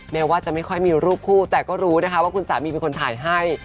แม้ว่าจะไม่ค่อยมีรูปคู่แต่ก็รู้นะคะว่าคุณสามีเป็นคนถ่ายให้